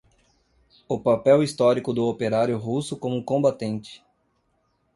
o papel histórico do operário russo como combatente